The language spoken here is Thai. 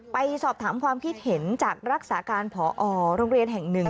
ไปสอบถามความคิดเห็นจากรักษาการพอโรงเรียนแห่งหนึ่ง